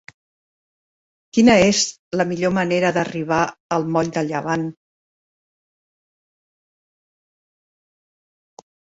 Quina és la millor manera d'arribar al moll de Llevant?